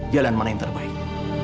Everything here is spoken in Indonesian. jalan mana yang terbaik